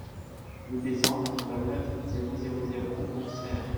Rue Besan, quatre-vingt-neuf, zéro zéro zéro Auxerre